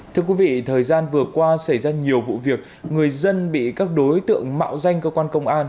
thưa quý vị thời gian vừa qua xảy ra nhiều vụ việc người dân bị các đối tượng mạo danh cơ quan công an